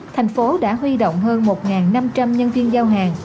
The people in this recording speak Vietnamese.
thành phố đã huy động hơn một năm trăm linh nhân viên giao hàng